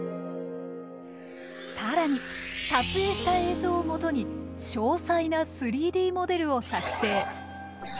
更に撮影した映像を基に詳細な３Ｄモデルを作成。